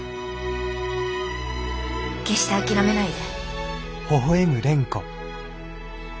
決して諦めないで。